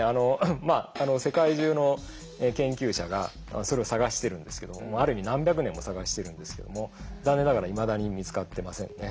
まあ世界中の研究者がそれを探してるんですけどある意味何百年も探してるんですけども残念ながらいまだに見つかってませんね。